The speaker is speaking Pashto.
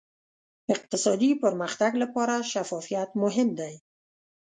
اقتصادي پرمختګ لپاره شفافیت مهم دی.